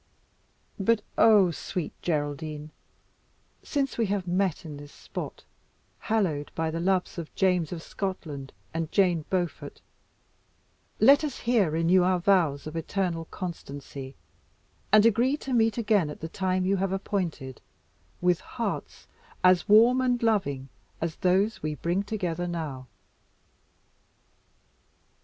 But, oh! sweet Geraldine, since we have met in this spot, hallowed by the loves of James of Scotland and Jane Beaufort, let us here renew our vows of eternal constancy, and agree to meet again at the time you have appointed, with hearts as warm and loving as those we bring together now."